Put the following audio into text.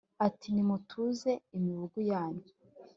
Ati : Nimutuze imibugu yanyu